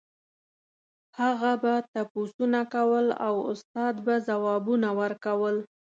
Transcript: هغه به تپوسونه کول او استاد به ځوابونه ورکول.